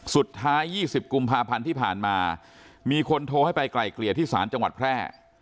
สุดท้าย๒๐กุมภาพันธ์ที่ผ่านมามีคนโทรให้ไปไกลเกลี่ยที่ศาลจังหวัดแพร่